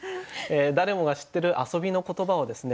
誰もが知ってる遊びの言葉をですね